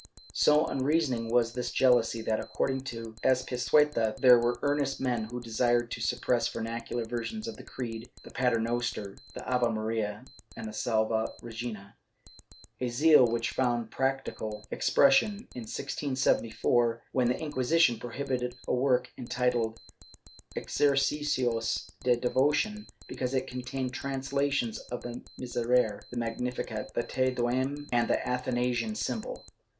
^ So unreasoning was this jealousy that, according to Azpilcueta, there were earnest men who desired to suppress vernacular versions of the Creed, the Paternoster, the Ave Maria and the Salve Regina, a zeal which found practical expression, in 1674, when the Inquisition prohibited a work enti tled Exercicios de Devocion because it contained translations of the Miserere, the Magnificat, the Te Deum and the Athanasian Symbol.